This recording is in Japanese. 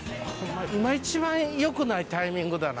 今いちばんよくないタイミングだな。